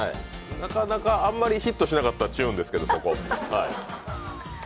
なかなかあんまりヒットしなかった部分ですけど。